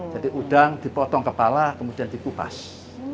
jadi udang dipotong kepala kemudian dipotong